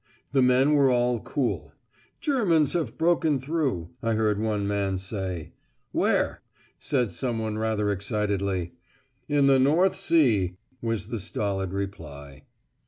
The men were all cool. 'Germans have broken through,' I heard one man say. 'Where?' said someone rather excitedly. 'In the North Sea,' was the stolid reply.